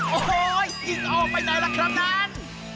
โอ้โหยิ่งออกไปไหนล่ะครับนั้น